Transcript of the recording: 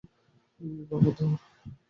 বাবা, ধর!